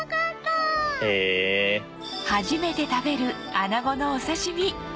初めて食べるアナゴのお刺身